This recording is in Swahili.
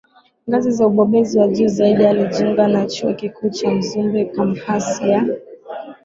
ngazi za ubobezi wa juu zaidi Alijiunga na Chuo Kikuu cha Mzumbe kampasi ya